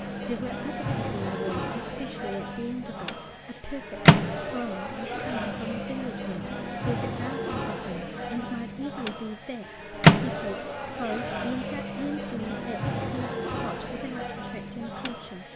"There were other people in the hall, especially at my end of it. A perfect throng was coming from the billiard room, where the dancing had been, and it might easily be that he could both enter and leave that secluded spot without attracting attention.